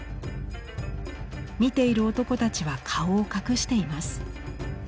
見ている男たちは顔を隠しています。